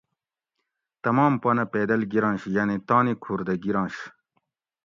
تمام پونہ پیدل گیرںش یعنی تانی کھور دہ گیرنش